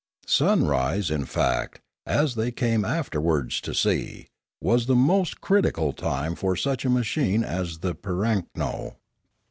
Sunrise, in fact, as they came afterwards to see, was the most critical time for such a machine as the pirakno.